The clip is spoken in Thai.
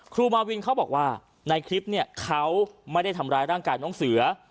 มาวินเขาบอกว่าในคลิปเนี่ยเขาไม่ได้ทำร้ายร่างกายน้องเสือ